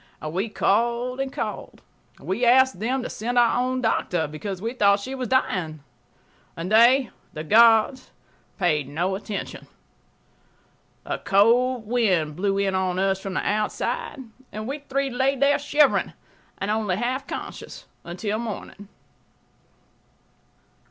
We called and called. We asked them1to send our own doctor, because we thought she was dying .... They [the guards paid no attention. A cold wind blew in on us from the outside, and we three lay there shivering and only half conscious until morning.